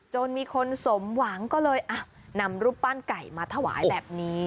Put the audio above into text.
จนมีคนสมหวังก็เลยนำรูปปั้นไก่มาถวายแบบนี้